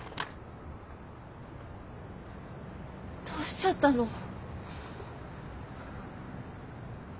どうしちゃったの？